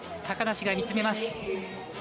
高梨が見つめます。